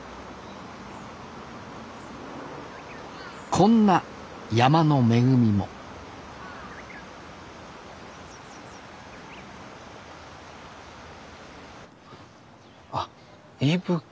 こんな山の恵みもあっ伊吹。